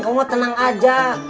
kamu tenang aja